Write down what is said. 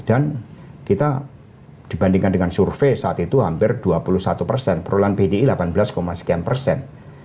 dan kita dibandingkan dengan survei saat itu hampir dua puluh satu perulangan bdi delapan belas sekian persen